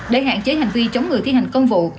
để hạn chế hành vi chống người thi hành công vụ